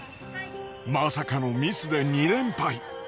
まさかのミスで２連敗。